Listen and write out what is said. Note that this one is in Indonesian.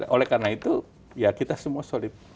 oleh karena itu ya kita semua solid